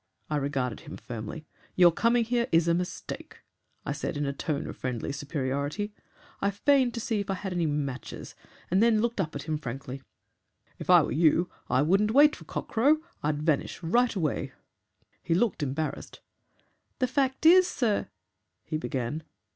I regarded him firmly. 'Your coming here is a mistake,' I said, in a tone of friendly superiority. I feigned to see if I had my matches, and then looked up at him frankly. 'If I were you I wouldn't wait for cock crow I'd vanish right away.' "He looked embarrassed. 'The fact IS, sir ' he began.